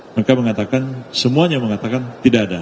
mereka mengatakan semuanya mengatakan tidak ada